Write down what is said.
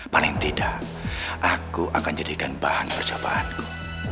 paling tidak aku akan jadikan bahan percobaanku